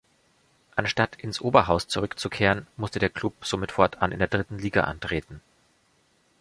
Anstatt ins Oberhaus zurückzukehren, musste der Klub somit fortan in der dritten Liga antreten.